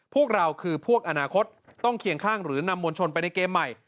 พวกเราคือพวกอนาคตต้องเคียงข้างหรือนำมวลชนไปในเกมใหม่